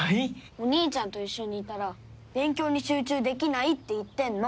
お兄ちゃんと一緒にいたら勉強に集中できないって言ってんの。